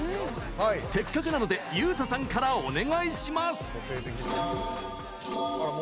せっかくなのでユウタさんからお願いします！